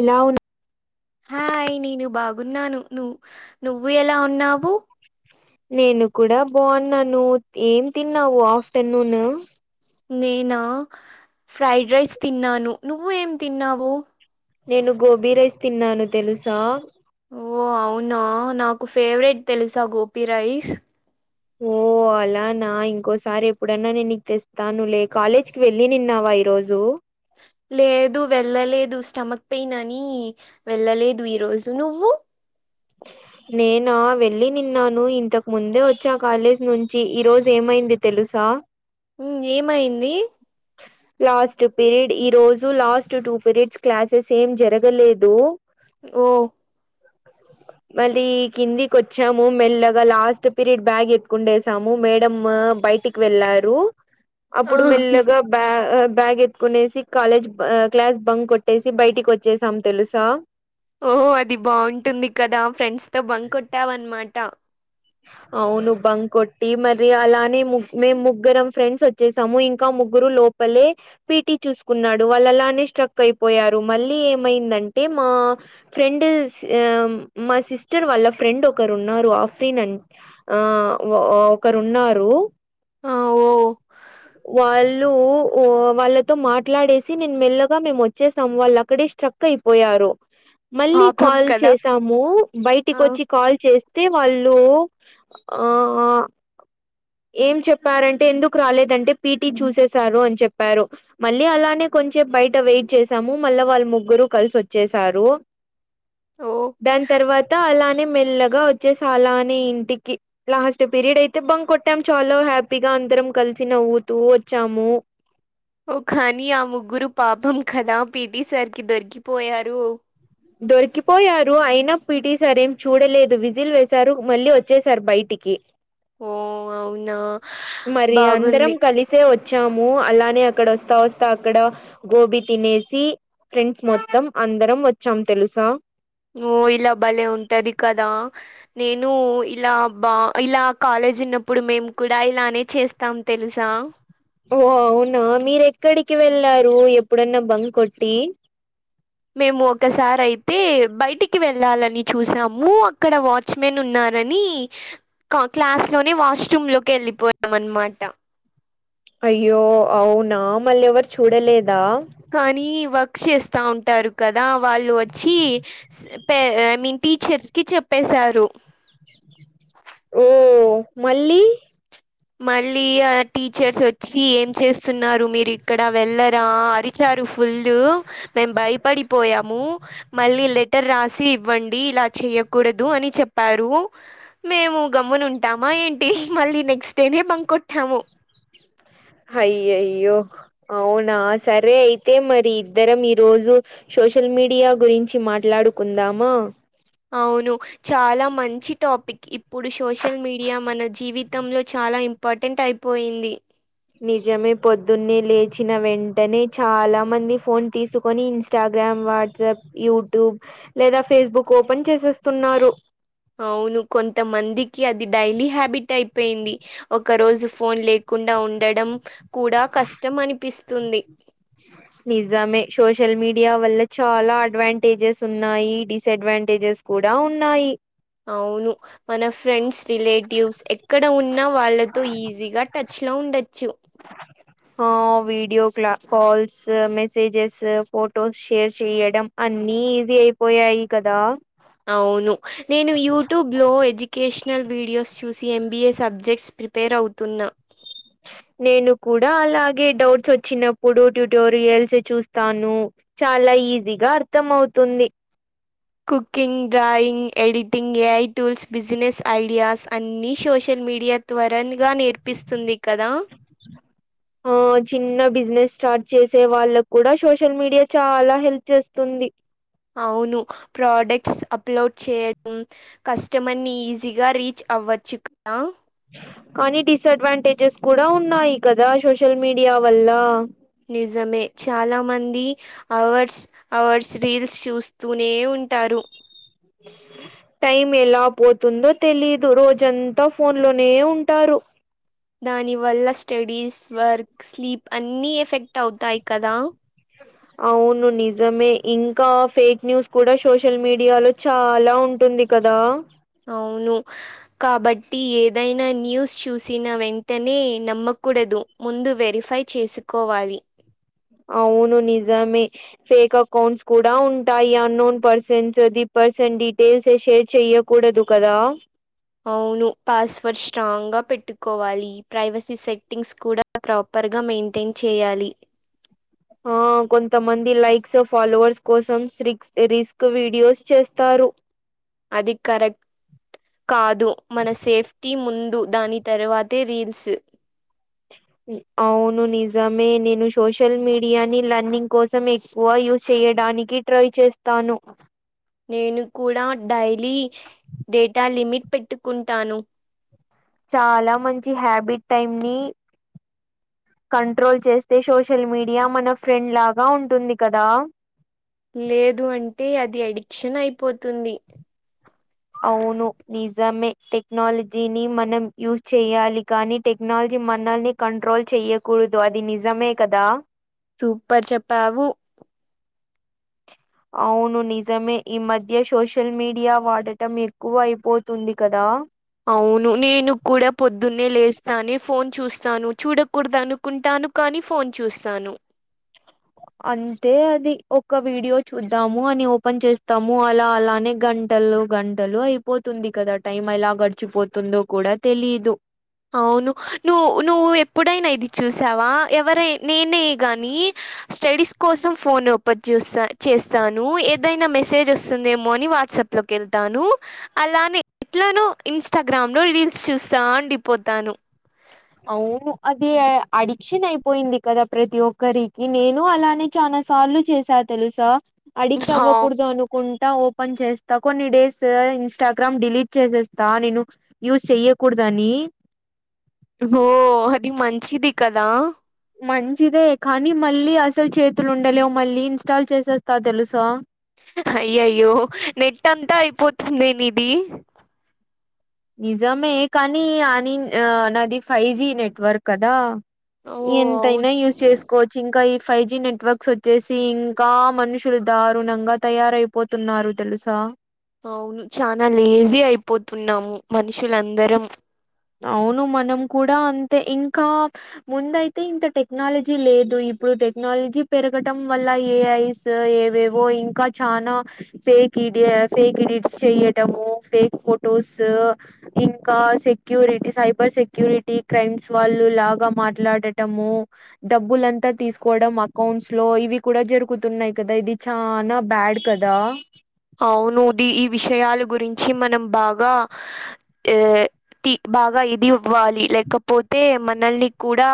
ఎలా ఉన్నా హాయ్ నేను బాగున్నాను ను నువ్వు ఎలా ఉన్నావు నేను కూడా బాగున్నాను ఏం తిన్నావు ఆఫ్టర్నూన్ నేనా ఫ్రైడ్ రైస్ తిన్నాను నువ్వు ఏం తిన్నావు నేను గోబీ రైస్ తిన్నాను తెలుసా ఓ అవునా నాకు ఫేవరెట్ తెలుసా గోపి రైస్ అలనా ఇంకోసారి ఎప్పుడన్నా నేను నీకు తెస్తాను లే కాలేజ్ కి వెళ్ళినిన్నావా ఈ రోజు లేదు వెళ్ళలేదు స్టమక్ పెయిన్ అని వెళ్ళలేదు ఈరోజు నువ్వు నేనా వెళ్ళి నిన్నాను ఇంతకు ముందే వచ్చా కాలేజ్ నుంచి ఈ రోజు ఏమైంది తెలుసా ఏమయింది లాస్ట్ పీరీడ్ ఈ రోజు లాస్ట్ టూ పీరియడ్స్ క్లాసెస్ ఏం జరగలేదు. ఓ మళ్ళీ కిందికి వచ్చాము మెల్లగా లాస్ట్ పీరియడ్ బ్యాగ్ ఎప్పుటుకుండే కాము మేడము బయటికి వెళ్ళారు ఆ, అప్పుడు మెల్లగా బ్యా బ్యాగ్ ఎత్తుకునేసి కాలేజ్ క్లాస్ బంగ్ కొట్టేసి బయటికి వచ్చేసాం తెలుసా ఓహో అది బాగుంటుంది కదా ఫ్రెండ్స్ తో బంక కొట్టాము ఆనమాట అవును బం కొట్టి మరి అలానే మేము ముగ్గురం ఫ్రెండ్స్ వచ్చేసాము ఇంకా ముగ్గురు లోపు పలే పీటీ చూసుకున్నాడు వాళ్ళు అలానే స్ట్రక్ అయిపోయారు మళ్ళీ ఏమైందంటే మా ఫ్రెండ్ మా సిస్టర్ వాళ్ళ ఫ్రెండ్ ఒకరు ఉన్నారు. ఆఫ్ ఆ ఒకరు ఉన్నారు. ఆ, ఓ వాళ్ళు వా వాళ్ళతో మాట్లాడేసి నేను మెల్లగా మేము వచ్చేసాం వాళ్ళు అక్కడే స్ట్రక్ అయిపోయారు మళ్ళీ పాపం కాల్ కదా చేసాము బయటికి ఆ, వచ్చి కాల్ చేస్తే వాళ్ళు లో ఆ అ ఏం చెప్పారంటే ఎందుకు రాలేదంటే పిటి చూసేసారు అని చెప్పారు. మళ్ళీ అలానే కొంచే బయట వెయిట్ చేసాము మళ్ళా వాళ్ళ ముగ్గురు కలిసి వచ్చేసారు. ఓ దాని తర్వాత అలానే మెల్లగా వచ్చేస అలా ఆనే ఇంటికి లాస్ట్ పీరియడ్ అయితే బం కొట్టాము చాలా హ్యాపీగా అందరం కలిసి నవ్వుతూ వచ్చాము. కానీ అ ముగ్గురము పాపం కదా పిటి సర్కి దొరికిపోయారు. దొరికిపోయారు. అయన పిటీసార్ ఏం చూడలేదు విజిల్ వేశారు. మళ్ళీ వచ్చేసారు బయటికి ఓ అవునా మరి అందరం బాగుంది కలిసి వస్తే వచ్చాము అలానే అక్కడ వస్తా వస్తా అక్కడ గోబీ తినేసి ఫ్రెండ్స్ మొత్తం అందరం వచ్చాం తెలుసా ఊ ఇలా బలే ఉంటది. కదా నేను ఇలా బా ఇలా కాలేజ్ ఉన్నప్పుడు మేము కూడా ఇలానే చేస్తాం తెలుసా ఓ అవునా మీరూ ఎక్కడికి వెళ్ళారు ఎప్పుడన్నా బం కొట్టి మేము ఒకసారి అయితే బయటికి వెళ్ళాలని చూసాము అక్కడ వాచ్ మేన్ ఉన్నారని క్లాస్ లోనే వాష్రూమ్ లోకి వెళ్ళిపోయాం అనమాట అయ్యో అవునా మల్లి ఎవరు చూడలేదా కానీ వర్క్ చేస్తా ఉంటారు. కదా వాళ్ళు వచ్చి ఏ మీ టీచర్స్ కి చెప్పేశారు ఓ మళ్ళీ మళ్ళీ ఆ టీచర్స్ వచ్చి ఏం చేస్తున్నారు మీరు ఇక్కడ వెళ్లరా అరి చరు ఫుల్ మేము భయపడిపోయాము మళ్ళీ లెటర్ రాసి ఇవ్వండి ఇలా చెయ్యకూడదు అని చెప్పారు మేము గమ్మున ఉంటామా ఏంటి మళ్ళీ నెక్స్ట్ డేనే బంకోట్టాము అయ్య అయ్యో అవునా సరే అయితే మరి ఇద్దరం ఈ రోజు సోషల్ మీడియా గురించి మాట్లాడుకుందామా అవును చాలా మంచి టాపిక్ ఇప్పుడు సోషల్ మీడియా మన జీవితంలో చాలా ఇమ్ పటెంట్ అయిపోయింది నిజమే పొద్దున్నే లేచిన వెంటనే చాలా మంది ఫోన్ తీసుకొని ఇ ఇన్స్టాగ్రామ్ వాట్సాప్ యూట్యూబ్ లేదా ఫేస్బుక్ ఓపెన్ చేసేస్తున్నారు అవును కొంతమందికి అది డైలీ హ్యాబిట్ అయిపేయింది ఒక రోజు ఫోన్ లేకుండా ఉండడం కూడా కష్టం అనిపిస్తుంది నిజమే సోషల్ మీడియా వల్ల చాలా అడ్వాంటేజెస్ ఉన్నాయి డిస్ అడ్వాంటేజెస్ కూడా ఉన్నాయి అవును మన ఫ్రెండ్స్ రిలేటివ్స్ ఎక్కడ ఉన్నా వాళ్ళతో ఈజీగా టచ్ లో ఉండొచ్చు ఆ వీడియో క్లా కాల్స్ మెసేజెస్ ఫొటోస్ షేర్ చెయడం అన్ని ఈజీ అయిపోయాయి కదా అవును నేను యూట్యూబ్లో ఎడ్యుకేషనల్ వీడియోస్ చూసి ఎంబీఏ సబ్జెక్ట్స్ ప్రిప్ ర్ అవుతున్న నేను కూడా అలాగే డౌట్స్ వచ్చినప్పుడు ట్యూటోరియల్స్ చూస్తాను చాలా ఈజీగా అర్థం అవుతుంది cooking drawing editing AI tools business ideas అన్ని సోషల్ మీడియా త్వరన్గా నేర్పిస్తుంది కదా ఆ చిన్న బిజినెస్ స్టార్ట్ చేసే వాళ్ళకు కూడా సోషల్ మీడియా చాలా హెల్ప్ చేస్తుంది అవును ప్రొడక్ట్స్ అప్లోడ్ చేయడం కస్టమర్ ని ఈజీగా రీచ్ అవ్వచ్చు కదా కానీ డిసడ్వాంటేజెస్ కూడా ఉన్నాయి కదా సోషల్ మీడియా వల్ల నిజమే చాలా మంది అవర్స్ అవర్స్ రీల్స్ చూస్తూనే ఉంటారు టైం ఎలా పోతుందో తెలిదు రోజంతా ఫోన్ లోనే ఉంటారు దాని వల్ల స్టడీస్ వర్క్ స్లీప్ అన్ని ఎఫెక్ట్ అవుతాయి కదా అవును నిజమే ఇంకా ఫేక్ న్యూస్ కూడా సోషల్ మీడియాలో చాలా ఉంటుంది కదా అవును కాబట్టి ఏదైనా న్యూస్ చూసిన వెంటనే నమ్మకూడదు ముందు వెరిఫై చేసుకోవాలి అవును నిజమే ఫేక్ అకౌంట్స్ కూడా ఉంటాయి అన్నోన్ పర్సన్స్ది పర్సన్ డీటెయిల్స్ షేర్ చెయ్య కూడదూ కదా అవును పాస్వర్డ్ స్ట్రాంగ్ గా పెట్టుకోవాలి ప్రైవసీ సెట్టింగ్స్ కూడా ప్రాపర్గా మెయింటైన్ చేయాలి ఆ కొంతమంది లైక్స్ ఫాలోవర్స్ కోసం రి రిస్క్ వీడియోస్ చేస్తారు అది కరెక్ట్ కాదు మన సేఫ్టీ ముందు దాని తర్వాతే రీల్స్ అవును నిజమే నేను సోషల్ మీడియాని లర్నింగ్ కోస్ సం ఎక్కువ యూజ్ చేయడానికి ట్రై చేస్తాను నేను కూడా డైలీ డేటా లిమిట్ పెట్టుకుంటాను చాలా మంచి హ్యాబిట్ అయింది కంట్రోల్ చేస్తే సోషల్ మీడియా మన ఫ్రెండ్ లాగా ఉంటుంది కదా లేదు అంటే అది అడిక్షన్ అయిపోతుంది అవును నిజమే టెక్నాలజీని మనం యూజ్ చేయాలి కానీ టెక్నాలజీ మనల్ని కంట్రోల్ చెయ్యకూడదు అది నిజమే కదా సూపర్ చెప్పావు అవును నిజమే ఈ మధ్య సోషల్ మీడియా వాడటం ఎక్కువ అయిపోతుంది కదా అవును నేను కూడా పొద్దున్నే లేస్తానే ఫోన్ చూస్తాను చూడకూడదను కుంటాను కానీ ఫోన్ చూస్తాను అంతే అది ఒక వీడియో చూద్దాము అని ఓపెన్ చేస్తాము అలా అలానే గంట గంటలు గంటలు అయిపోతుంది కదా టైం ఎలా గడిచిపోతుందో కూడా తెలీదు అవును నువ్వు నువ్వు ఎప్పుడైనా ఇది చూసావా ఎవర నేనే గాని స్టడీస్ కోసం ఫోన్ ఓపన్ చేస్తాను ఏదైనా మెసేజ్ వస్తుందేమో అని వాట్సాప్ ఇట్ లోకి వెళ్తాను అలానే ఎట్లనో ఇన్స్టాగ్రామ్ లో రీల్స్ చూస్తా అండి పొతాను అవును అది అడిక్షన్ అయిపోయింది కదా ప్రతి ఒక్కరికి నేను అలానే చానా సార్లు చేసా తెలుసా అడిక్ట్ అవ్వకూడదు అను కుంటా ఓపెన్ చేస్తా కొన్ని డేస్ ఇన్స్టాగ్రామ్ డిలీట్ చేసేస్తా నేను యూజ్ చెయ్యకూడదని ఓ అది మంచిది కదా మంచిదే కానీ మళ్ళీ అసలు చేతులు ఉండలేవు మళ్ళీ ఇన్స్టాల్ చేసేస్తా తెలుసా అయ్యయ్యో నెట్ అంతా అయిపోతుందే ఇది నిజామే కానీ అని ఆ నాది ఫైవ్ జీ నెట్వర్క్ కదా ఓ ఎంతైనా యూజ్ అవును చేసుకోవచ్చు ఇంకా ఈ ఫైవ్ జి నెట్వర్క్స్ వచ్ వచ్చేసి ఇంకా మనుషులు దారుణంగా తయారైపోతున్నారు తెలుసా అవును చాలా లేజీ అయిపోతున్నాము మనుషులందరం అవును మనం కూడా అంతే ఇంకా ముందయితే ఇంత టెక్నాలజీ లేదు ఇప్పుడు టెక్నాలజీ పెరగడం వల్ల ఏఐ ఏవేవో ఇంకా చనా ఫెకీడియా ఫేక్ ఎడిట్స్ చెయటము ఫేక్ ఫొటోస్ ఇంకా security cyber security crimes వాళ్ళు లాగా మాట్లాడటము డబ్బులంతా తీసుకోవడం అకౌంట్స్ లో ఇవి కూడా జరుగుతున్నాయి కదా ఇది చానా బ్యాడ్ కదా అవునుది ఈ విషయలు గురించి మనం బాగా ఆ తి బాగా ఇది ఇవ్వాలి లేకపోతే మనల్ని కూడా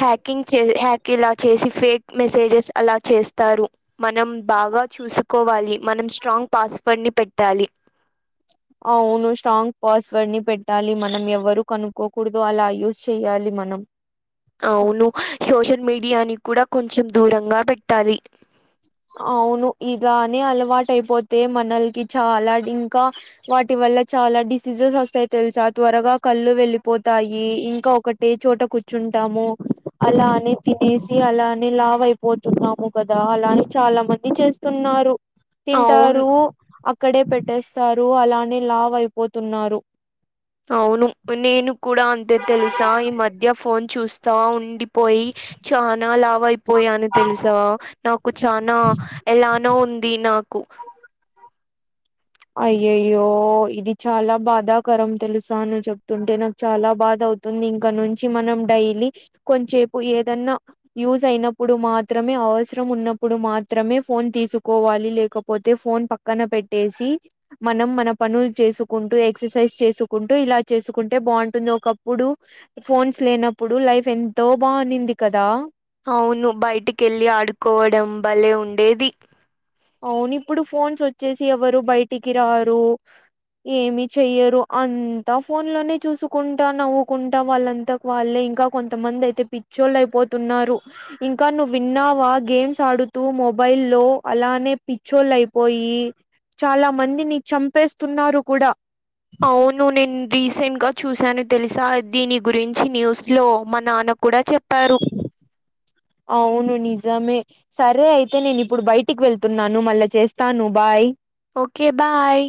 హ్యాకింగ్ హ్యాక్ ఇలా చేసి ఫేక్ మెసేజెస్ అలా చేస్తారు మనం బాగా చూసుకోవాలి మనం స్ట్రాంగ్ పాస్వర్డ్ ని పెట్టాలి అవును స్ట్రాంగ్ పాస్వర్డ్ ని పెట్టాలి మనం ఎవరు కనుక్కోకూడదు అలా యూస్ చేయాలి మనం అవును సోషల్ మీడియాని కూడా కొంచెం దూరంగా పెట్టాలి అవును ఇలానే అలవాటు అయిపోతే మనల్కి చాలా ఇంకా వాటి వల్ల చాలా డిసీజెస్ వస్తాయి తెలుసా త్వరగా కళ్ళు వెళ్ళిపోతాయి ఇంకా ఒకటి టె చోట కూర్చుంటాము అలానే తినేసి అలానే లావ్ అయిపోతున్నాము కదా అలానే చాలా మంది చేస్తున్నారు అవును తింటారు అక్కడే పెట్టేస్తారు అలానే లావ్ అయిపోతున్నారు అవును నేను కూడా అంతే తెలుసా ఈ మధ్య ఫోన్ చూస్తా ఉండిపోయి చానా లావు వైపోయాను తెలుసా నాకు చానా ఎలానో ఉంది నాకు అయ్యయ్యో ఇది చాలా బాధాకరం తెలుసా నువ్ చెప్తుంటే నాక్ చాలా బాధ అవుతుంది ఇంక నుంచి మనం డైలీ కొంచెపు ఏదన్నా యూజ్ అయినప్పుడు మాత్రమే అవసరం ఉన్నప్పుడు మాత్రమే ఫోన్ తీసుకోవాలి లేకపోతే ఫోన్ పక్క పక్కన పెట్టేసి మనం మన పనులు చేసుకుంటూ ఎక్సర్సైజ్ చేసుకుంటూ ఇలా చేసుకుంటే బాగుంటుంది ఒకప్పుడు ఫోన్స్ లేనప్పుడు లైఫ్ ఎంతో బానింది కదా అవును బయటకెళ్ళి ఆడుకోవడం భలేె ఉండేది అవును ఇప్పుడు ఫోన్స్ వచ్చేసి ఎవరు బయటికి రారు ఏమి చెయ్యరు అంతా ఫోన్ లోనే చూసుకుంటా నవ్వుకుంటా వాళ్ళంతా వాళ్లు ఇంకా కొంతమంది అయితే పిచ్చోళ్ళు అయిపోతున్నారు ఇంకా నువ్వు విన్నావా గేమ్స్ ఆడుతూ మొబైల్ లో అలా లోని పిచ్చోలైపోయి చాలా మందిని చంపేస్తున్నారు కూడా అవును నేను రిసెంట్ గా చూశాను తెలుసా దీని గురించి న్యూస్ లో మా నాన్న కూడా చెప్పారు అవును నిజమే సరే అయితే నేను ఇప్పుడు బయటికి వెళ్తున్నాను మల్ల చేస్తాను బాయ్ ఓకే బాయ్